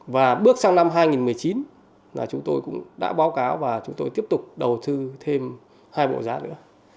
và bước sang năm hai nghìn một mươi chín là chúng tôi cũng đã báo cáo và chúng tôi tiếp tục đầu tư thêm hai bộ giá nữa